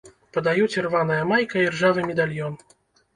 Падаюць ірваная майка і ржавы медальён.